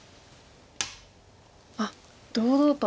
あっ堂々と。